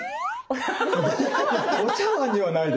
お茶わんにはないです。